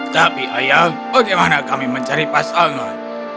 tapi ayah bagaimana kami mencari pasangan